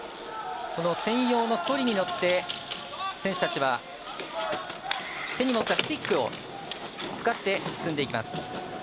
この専用のそりに乗って選手たちは手に持ったスティックを使って進んでいきます。